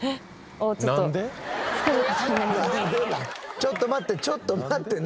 ちょっと待ってちょっと待ってなんで？